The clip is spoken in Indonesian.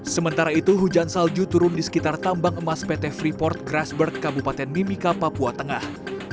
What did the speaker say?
sementara itu hujan salju turun di sekitar tambang emas pt freeport grassberg kabupaten mimika papua tengah